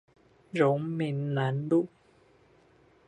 榮民南路